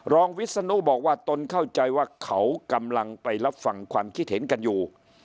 วิศนุบอกว่าตนเข้าใจว่าเขากำลังไปรับฟังความคิดเห็นกันอยู่